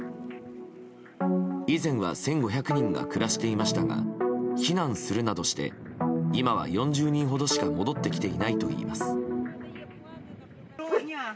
以前は１５００人が暮らしていましたが避難するなどして今は４０人ほどしか戻ってきていないといいます。